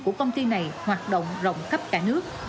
của công ty này hoạt động rộng khắp cả nước